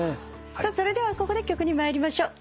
それではここで曲に参りましょう。